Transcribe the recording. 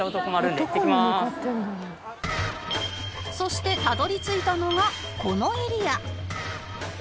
そしてたどり着いたのがこのエリア